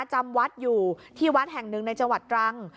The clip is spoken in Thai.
จำวัดอยู่ที่วัดแห่งหนึ่งในจังหวัดตรัง